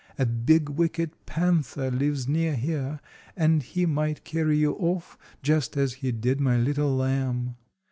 A big, wicked panther lives near here, and he might carry you off, just as he did my little lamb.